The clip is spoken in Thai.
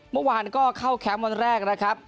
เมื่อวานก็เข้าแครมป์วันแรก